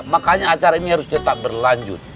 makanya acara ini harus tetap berlanjut